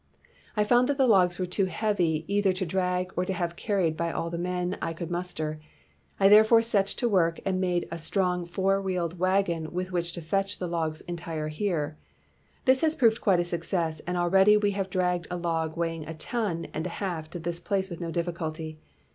I found that the logs were too heavy either to drag or to have carried by all the men I could muster. I therefore set to work and made a strong four wheeled wagon with which to fetch the logs entire here. This has proved quite a success, and already we have dragged a log weighing a ton and a half to this place with no difficulty.